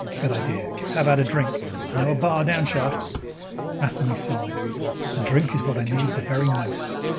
"Good idea. How about a drink? I know a bar downshaft." Matheny sighed. "A drink is what I need the very most."